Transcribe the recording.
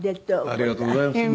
ありがとうございます。